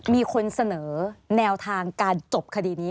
มีคนเสนอแนวทางการจบคดีนี้